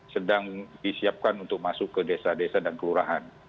sedang disiapkan untuk masuk ke desa desa dan kelurahan